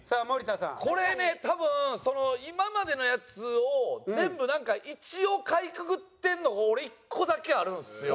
これね多分今までのやつを全部一応かいくぐってるのが俺１個だけあるんですよ。